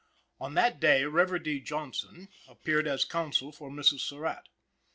On that day Reverdy Johnson appeared as counsel for Mrs. Surratt.